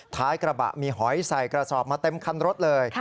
ท้ายกระบะมีหอยใส่กระสอบมาเต็มคันรถเลย